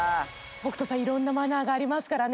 北斗さん色んなマナーがありますからね今日は。